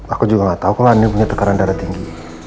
aku juga gak tahu kalau anda punya tekanan darah tinggi